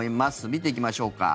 見ていきましょうか。